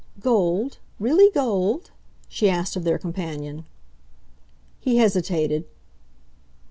"Gold, really gold?" she asked of their companion. He hesitated.